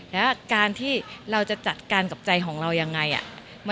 แล้วก็อ้าก็ไปเข้าห้องเรียนด้วยค่ะ